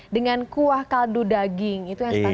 dengan kuah kaldu daging itu yang spesial